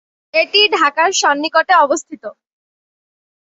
এটি ঢাকার সন্নিকটে অবস্থিত।